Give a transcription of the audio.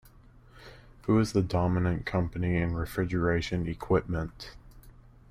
Who is the dominant company in refrigeration equipment?